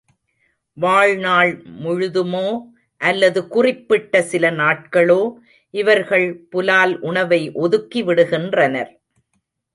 வாழ்நாள் முழுதுமோ அல்லது குறிப்பிட்ட சில நாட்களோ இவர்கள் புலால் உணவை ஒதுக்கி விடுகின்றனர்.